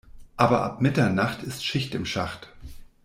Aber ab Mitternacht ist Schicht im Schacht.